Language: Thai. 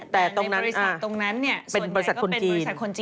แต่ในบริษัทตรงนั้นเนี่ยส่วนใหญ่ก็เป็นบริษัทคนจีน